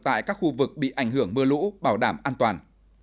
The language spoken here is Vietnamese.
tại các khu vực bị ảnh hưởng mưa lũ bảo đảm an toàn